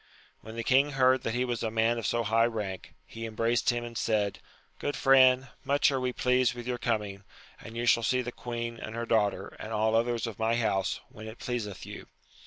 When the king heard that he was a man of so high rank, he embraced him and said, Good friend, much are we pleased with your coming, and you shall see the queen and her daughter and all others of my house, when it pleaseth you.